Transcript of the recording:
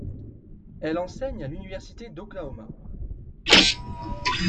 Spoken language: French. Elle enseigne à l'université d'Oklahoma.